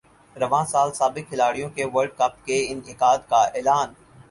رواں سال سابق کھلاڑیوں کے ورلڈ کپ کے انعقاد کا اعلان